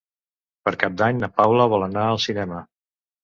Per Cap d'Any na Paula vol anar al cinema.